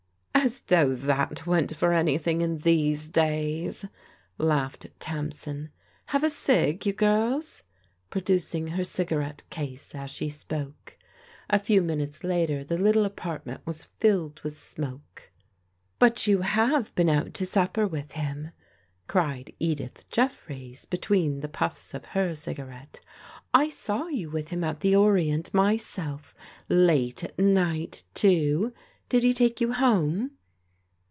"As though that went for anything, in these days!" laughed Tamsin. "Have a cig, you girls?" producing her cigarette case as she spoke. A few minutes later, the little apartment was filled with smoke. "But you have been out to supper with him," cried Edith Jeffreys, between the pufiFs of her cigarette, "I saw you with him at the Orient myself — ^late at night, too. Did he take you home